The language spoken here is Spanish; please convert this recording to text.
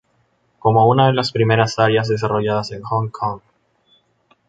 Como una de las primeras áreas desarrolladas en Hong Kong.